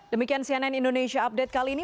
demikian cnn indonesia update kali ini